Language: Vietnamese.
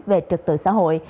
về trực tự xã hội